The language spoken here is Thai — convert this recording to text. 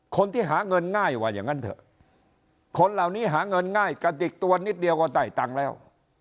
คนที่หาเงินง่ายว่าอย่างนั้นเถอะคนเหล่านี้หาเงินง่ายกระดิกตัวนิดเดียวก็ได้ตังค์แล้ว